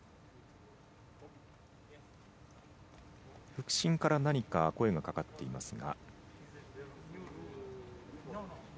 副審から何か声がかかっていますが。